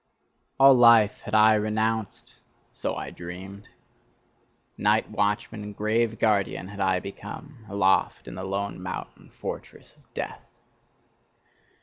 All life had I renounced, so I dreamed. Night watchman and grave guardian had I become, aloft, in the lone mountain fortress of Death.